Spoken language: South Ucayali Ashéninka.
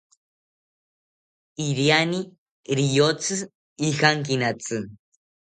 Iriani riyotzi ijankinatzi